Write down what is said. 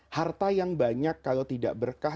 harta yang banyak kalau tidak berkah